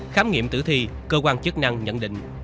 khám nghiệm tử thi cơ quan chức năng nhận định